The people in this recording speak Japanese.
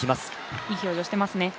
いい表情してますね。